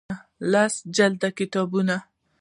لس جلده کتاب